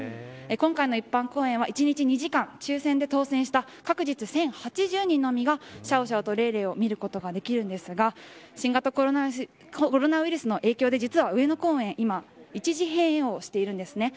今回の一般公園は、一日２時間抽選で当選した各日１０８０人のみがシャオシャオとレイレイを見ることができるんですが新型コロナウイルスの影響で実は上野公園、今一時、閉演をしています。